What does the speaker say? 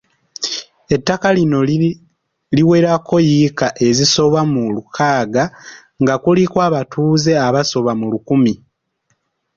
Ettaka lino liwerako yiika ezisoba mu lukaaga nga kuliko abatuuze abasoba mu lukumi.